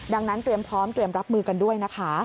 ดังนั้นเตรียมพร้อมเตรียมรับมือกันด้วยนะคะ